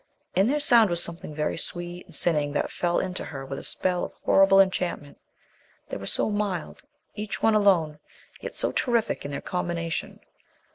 In their sound was something very sweet and sinning that fell into her with a spell of horrible enchantment. They were so mild, each one alone, yet so terrific in their combination.